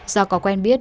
do có quen biết